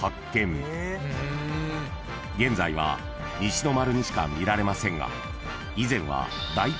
［現在は西の丸にしか見られませんが］